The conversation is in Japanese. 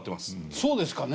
そうですかね。